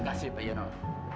makasih pak yenow